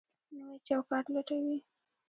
نوی چوکاټ لټوي.